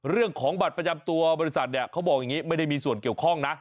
เรื่องของบัตรประจำตัวบริษัทเนี่ยเขาบอกอย่างนี้ไม่ได้มีส่วนเกี่ยวข้องนะ